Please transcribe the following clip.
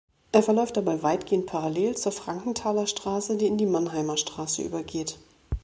Er verläuft dabei weitgehend parallel zur Frankenthaler Straße, die in die Mannheimer Straße übergeht.